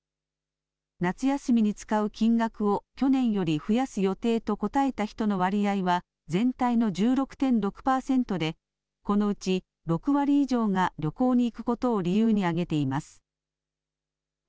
夏休みに使う金額を去年より増やす予定と答えた人の割合は、全体の１６．６％で、このうち６割以上が旅行に行くことを理由に挙げています。